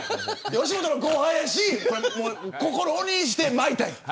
吉本の後輩やし心を鬼にして巻いたんや。